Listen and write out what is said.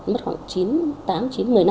mất khoảng chín tám chín một mươi năm